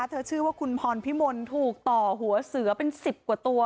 ชื่อว่าคุณพรพิมลถูกต่อหัวเสือเป็น๑๐กว่าตัว